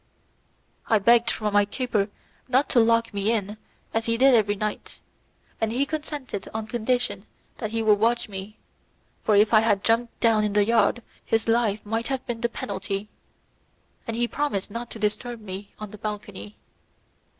I begged from my keeper not to lock me in as he did every night, and he consented on condition that he would watch me, for if I had jumped down in the yard his life might have been the penalty, and he promised not to disturb me on the balcony.